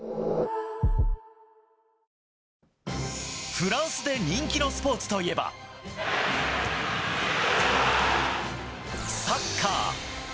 フランスで人気のスポーツといえば、サッカー。